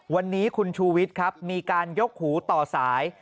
วันนี้คุณชูวิทย์ครับมีการยกหูต่อสาย